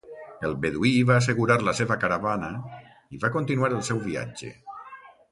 El beduí va assegurar la seva caravana i va continuar el seu viatge.